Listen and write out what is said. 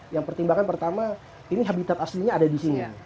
yang pertimbangan pertama ini habitat aslinya ada di sini